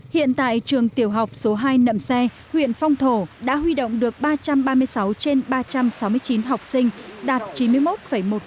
hiện tại trường tiểu học số hai nậm xe huyện phong thổ đã huy động được ba trăm ba mươi sáu trên ba trăm sáu mươi chín học sinh đạt chín mươi một một